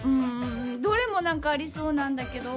どれもありそうなんだけど。